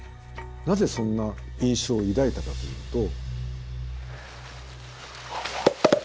なぜそんな印象を抱いたかというと。